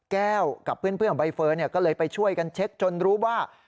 กับเพื่อนของใบเฟิร์นก็เลยไปช่วยกันเช็คจนรู้ว่า